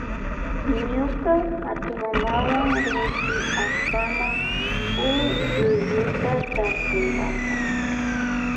Ñuka hatunmamawa rinchi allpama ullulluta tarpunkapa.